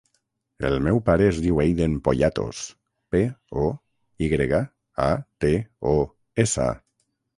El meu pare es diu Eiden Poyatos: pe, o, i grega, a, te, o, essa.